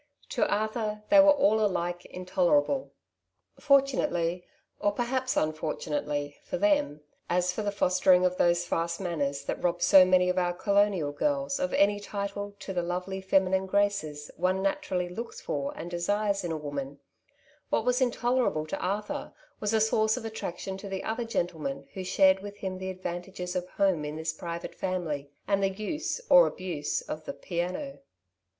To Arthur they were all alike intolerable. Fortunately, or perhaps unfortunately, for them, as for the fostering of those ''fast '^ manners that rob so many of our colonial girls of any title to the lovely feminine graces one naturally looks for and desires in woman — what was intolerable to Arthur was a source of attraction to the other gentlemen who shared with him the advantages of home in this private family, and the use, or abuse, of the piano.